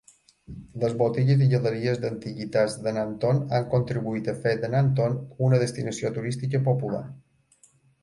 Les botigues i galeries d'antiguitats de Nanton han contribuït a fer de Nanton una destinació turística popular.